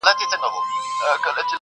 خو هغه زړور زوړ غم ژوندی گرځي حیات دی.